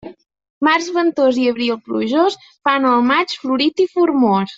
Març ventós i abril plujós fan el maig florit i formós.